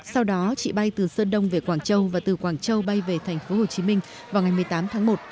sau đó chị bay từ sơn đông về quảng châu và từ quảng châu bay về tp hồ chí minh vào ngày một mươi tám tháng một